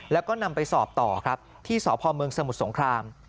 แล้วก็นำไปสอบต่อครับที่สพเมืองสมุทรสงคราม